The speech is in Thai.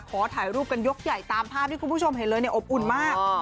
ขอถ่ายรูปกันยกใหญ่ตามภาพที่คุณผู้ชมเห็นเลยเนี่ยอบอุ่นมาก